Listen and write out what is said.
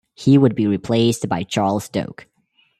He would be replaced by Charles Doak.